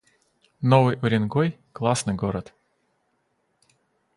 Новый Уренгой — классный город